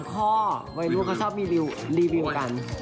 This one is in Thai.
๓ข้อไม่รู้ว่าเค้าชอบรีวิวกัน